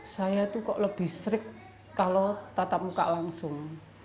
saya itu kok lebih strict kalau tatap muka langsung